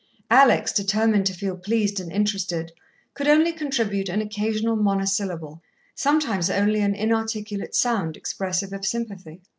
Alex, determined to feel pleased and interested, could only contribute an occasional monosyllable, sometimes only an inarticulate sound, expressive of sympathy.